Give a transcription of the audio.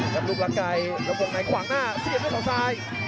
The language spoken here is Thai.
กับลูกลักไกรกระโปรงในขวางหน้าเสียบทางซ้าย